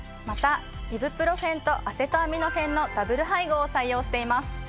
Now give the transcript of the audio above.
またイブプロフェンとアセトアミノフェンのダブル配合を採用しています！